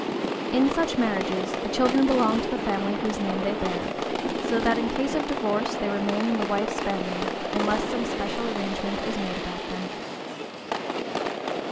In such marriages the children belong to the family whose name they bear, so that in case of divorce they remain in the wife's family, unless some special arrangement is made about them.